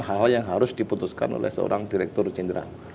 hal hal yang harus diputuskan oleh seorang direktur jenderal